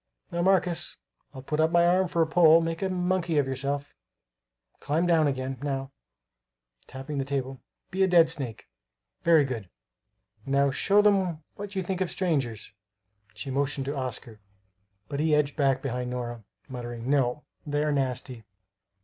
Now, Marcus, I'll put up my arm for a pole; make a monkey of yourself. Climb down, again. Now," tapping the table, "be a dead snake. Very good. Now, show them what you think of strangers." She motioned to Oscar; but he edged back behind Nora, muttering, "No, they are nasty!"